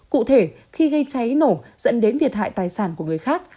cụ thể khi gây cháy nổ dẫn đến thiệt hại tài sản của người khác